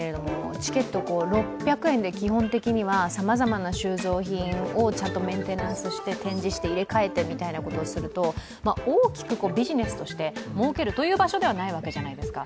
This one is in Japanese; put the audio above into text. チケット６００円で基本的にさまざまな収蔵品をちゃんとメンテナンスして展示して、入れ替えてということをすると、大きくビジネスとしてもうけるという場所ではないわけじゃないですか。